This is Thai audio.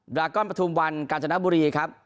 ดรากอลประทุมวันการชนะบุรีครับ